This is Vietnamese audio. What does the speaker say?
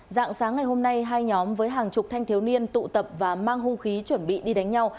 dạng sáng ngày hôm nay hai nhóm với hàng chục thanh thiếu niên tụ tập và mang hung khí chuẩn bị đi đánh nhau